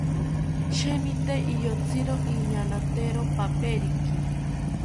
Sheeni tee iyotziro oñaanatero paperiki